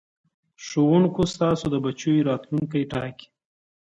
ښوونکو ستاسو د بچو راتلوونکی ټاکي.